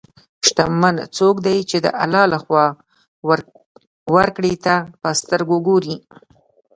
شتمن څوک دی چې د الله له خوا ورکړې ته په سترګو ګوري.